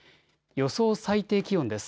予想最低気温です。